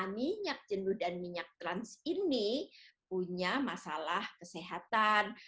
minyak jenuh dan minyak trans ini punya masalah kesehatan